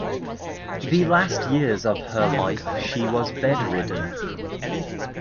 The last years of her life she was bedridden.